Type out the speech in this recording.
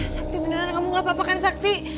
sakti beneran kamu gak apa apa kan sakti